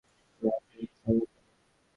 আমি একজন সমকামী।